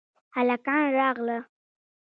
هلکان راغل